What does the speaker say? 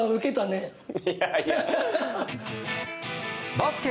バスケ